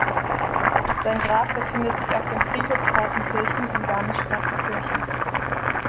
Sein Grab befindet sich auf dem Friedhof Partenkirchen in Garmisch-Partenkirchen.